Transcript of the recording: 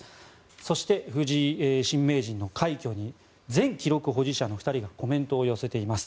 そして、藤井新名人の快挙に前記録保持者の２人がコメントを寄せています。